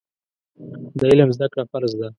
د علم زده کړه فرض ده.